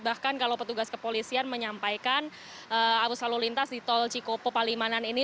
bahkan kalau petugas kepolisian menyampaikan arus lalu lintas di tol cikopo palimanan ini